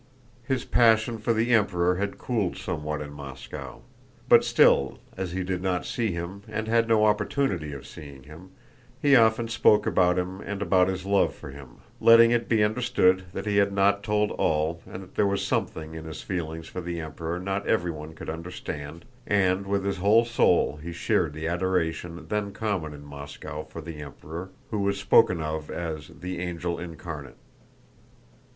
His passion for the Emperor had cooled somewhat in Moscow. But still, as he did not see him and had no opportunity of seeing him, he often spoke about him and about his love for him, letting it be understood that he had not told all and that there was something in his feelings for the Emperor not everyone could understand, and with his whole soul he shared the adoration then common in Moscow for the Emperor, who was spoken of as the "angel incarnate."